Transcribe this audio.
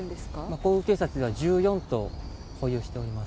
皇宮警察では１４頭保有しております。